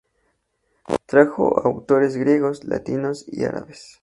Tradujo a autores griegos, latinos y árabes.